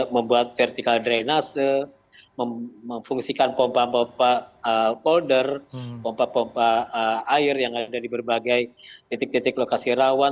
membuat vertical drainase memfungsikan pompa pompa polder pompa pompa air yang ada di berbagai titik titik lokasi rawan